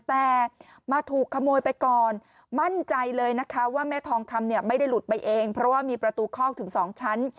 แต่มาถูกขโมยไปก่อนมั่นใจเลยนะคะว่าแม่ทองคำเนี่ยไม่ได้หลุดไปเองเพราะว่ามีประตูคอกถึงสองชั้น